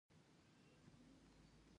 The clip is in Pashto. نو بیا هم قربانی ته تیار یو